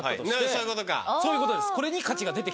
そういうことか。